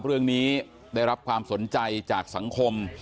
เรื่องนี้ได้รับความสนใจจากสังคม